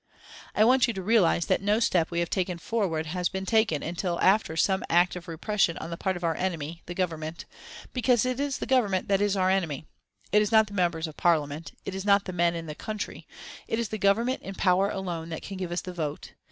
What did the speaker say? (I want you to realise that no step we have taken forward has been taken until after some act of repression on the part of our enemy, the Government because it is the Government that is our enemy; it is not the Members of Parliament, it is not the men in the country; it is the Government in power alone that can give us the vote.